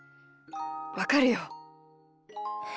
わかるよ。